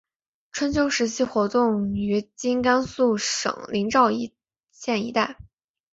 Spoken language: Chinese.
春秋时期活动于今甘肃省临洮县一带。